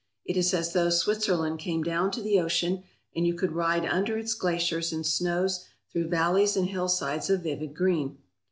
It is as though Switzerland came down to the ocean, and you could ride under its glaciers and snows through valleys and hillsides of vivid green.